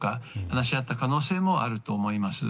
話し合った可能性もあると思います。